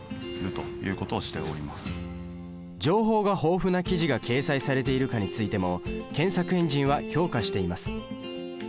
情報が豊富な記事が掲載されているかについても検索エンジンは評価しています。